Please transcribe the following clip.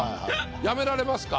やめられますか？